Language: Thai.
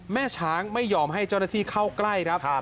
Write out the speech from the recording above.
แม่ช้างไม่ยอมให้เจ้าหน้าที่เข้าใกล้ครับ